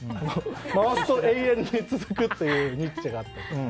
回すと永遠に続くというニッチェがあって。